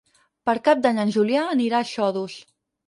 Per Cap d'Any en Julià anirà a Xodos.